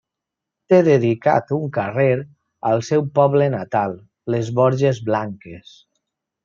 Té dedicat un carrer al seu poble natal, les Borges Blanques.